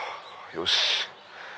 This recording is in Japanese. よし！